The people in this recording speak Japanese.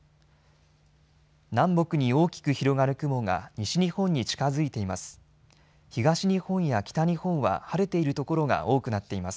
南北に大きく広がる雲が西日本に近づいています。